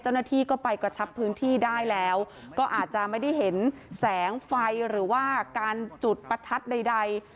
เจ้าหน้าที่ก็ไปกระชับพื้นที่ได้แล้วก็อาจจะไม่ได้เห็นแสงไฟหรือว่าการจุดประทัดใด